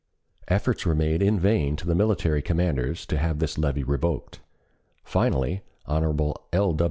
Efforts were made in vain to the military commanders to have this levy revoked. Finally Hon. L.